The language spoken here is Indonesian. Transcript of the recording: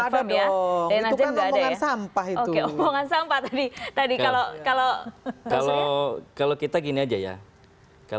tidak ada dong itu kan omongan sampah itu